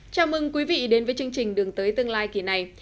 chào mừng quý vị đến với chương trình đường tới tương lai kỳ này